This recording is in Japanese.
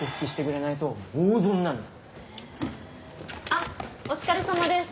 あっお疲れさまです。